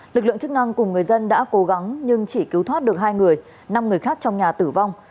lực lượng chức năng cùng người dân đã cố gắng nhưng chỉ cứu thoát được hai người năm người khác trong nhà tử vong